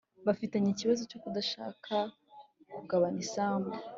bafitanye ikibazo cyo kudashaka kugabana isambu